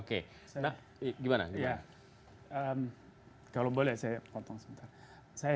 kalau boleh saya potong sebentar